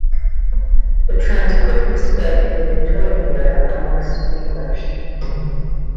The trend quickly spread in the Victorian Era amongst the English.